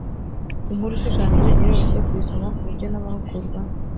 inkuru ishushanyije iroroshye kuyisoma ku buryo n abahugurwa